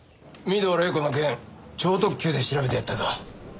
御堂黎子の件超特急で調べてやったぞ。